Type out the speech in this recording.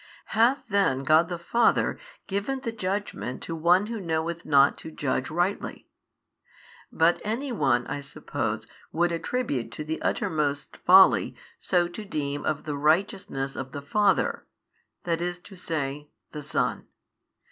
Hath then God the Father given the judgment to one who knoweth not to judge rightly? But any one (I suppose) would attribute to the uttermost folly so to deem of the Righteousness of the Father, i. e. the Son.